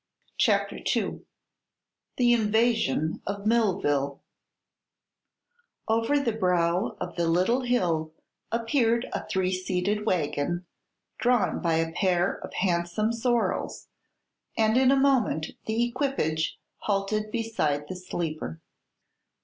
CHAPTER II THE INVASION OF MILLVILLE Over the brow of the little hill appeared a three seated wagon, drawn by a pair of handsome sorrels, and in a moment the equipage halted beside the sleeper.